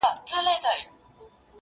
نه منمه ستا بیان ګوره چي لا څه کیږي،